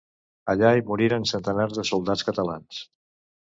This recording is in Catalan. Allà hi moriren centenars de soldats catalans.